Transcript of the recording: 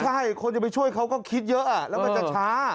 ใช่คนจะไปช่วยเขาก็คิดเยอะแล้วมันจะช้า